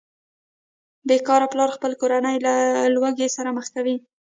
بې کاره پلار خپله کورنۍ له لوږې سره مخ کوي